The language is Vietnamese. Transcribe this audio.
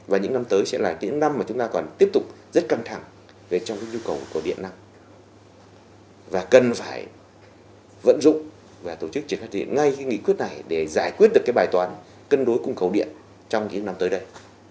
và tổ chức triển phát triển ngay cái nghị quyết này để giải quyết được cái bài toán cân đối cung cầu điện trong những năm tới đây